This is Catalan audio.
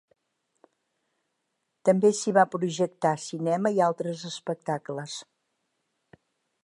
També s'hi va projectar cinema i altres espectacles.